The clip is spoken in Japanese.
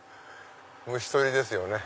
虫捕りですよね。